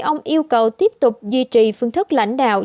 ông yêu cầu tiếp tục duy trì phương thức lãnh đạo